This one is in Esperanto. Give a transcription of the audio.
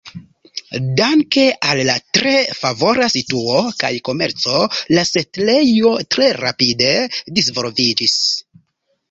Danke al la tre favora situo kaj komerco la setlejo tre rapide disvolviĝis.